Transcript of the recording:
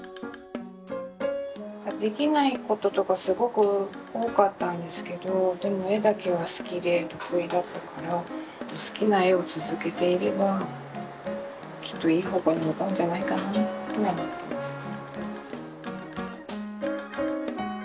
できないこととかすごく多かったんですけどでも絵だけは好きで得意だったから好きな絵を続けていればきっといい方向に向かうんじゃないかなと思ってますね。